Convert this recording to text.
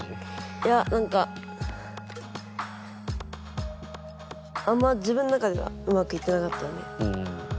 いやなんかあんま自分の中ではうまくいってなかったので。